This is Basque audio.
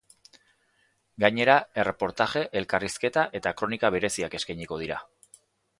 Gainera, erreportaje, elkarrizketa eta kronika bereziak eskainiko dira.